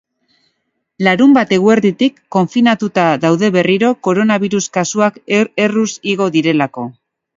Larunbat eguerditik konfinatuta daude berriro, koronabirus kasuak erruz igo direlako.